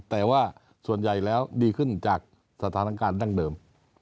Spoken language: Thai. แต่ว่าส่วนใหญ่แล้วดีขึ้นจากสถานการณ์ดั้งเดิม